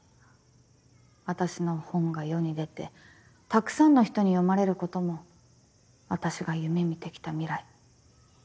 私の本が世に出てたくさんの人に読まれることも私が夢見てきた未来。